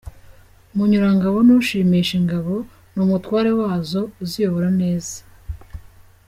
Munyurangabo ni ushimisha ingabo, ni umutware wazo uziyobora neza.